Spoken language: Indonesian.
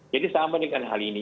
jadi sama dengan hal ini